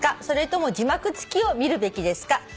「それとも字幕付きを見るべきですか？」